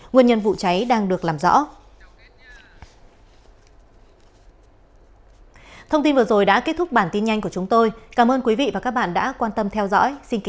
nguyên nhân vụ cháy đang được làm rõ